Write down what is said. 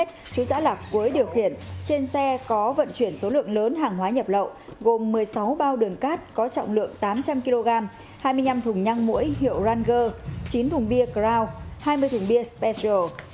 hai mươi năm thùng nhăng mũi hiệu rangger chín thùng bia crown hai mươi thùng bia special